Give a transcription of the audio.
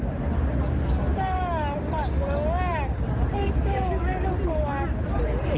แบบว่าไม่รู้กลัว